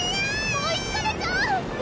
追いつかれちゃう！